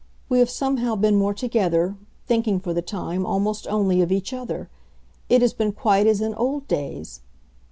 We have somehow been more together thinking, for the time, almost only of each other; it has been quite as in old days."